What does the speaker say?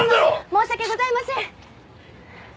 申し訳ございません！